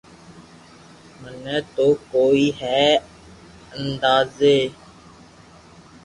مني تو ڪوئي ھي اندازي